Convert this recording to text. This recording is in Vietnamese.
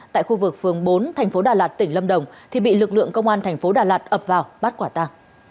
tại khu vực phường bốn thành phố đà lạt tỉnh lâm đồng thì bị lực lượng công an thành phố đà lạt ập vào bắt quả ta